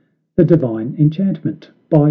the Divine enchantment VI.